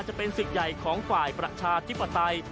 จะเป็นศึกใหญ่ของฝ่ายประชาธิปไตย